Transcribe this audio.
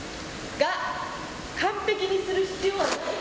が、完璧にする必要はない。